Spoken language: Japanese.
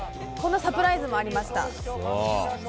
このサプライズもありました。